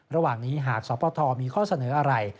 ระหว่างนี้หากสปทมีข้อเสนออะไร